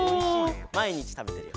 まいにちたべてるよ。